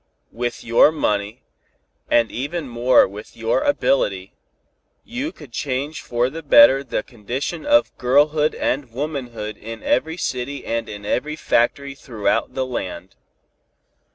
With your money, and even more with your ability, you could change for the better the condition of girlhood and womanhood in every city and in every factory throughout the land.